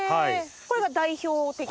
これが代表的な？